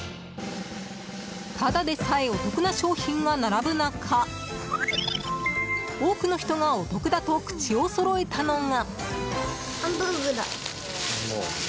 ただでさえお得な商品が並ぶ中多くの人がお得だと口をそろえたのが。